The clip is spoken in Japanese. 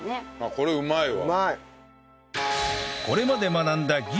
これうまいわ。